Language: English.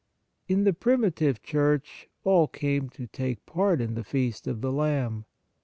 In the primitive Church, all came to take part in the feast of the Lamb.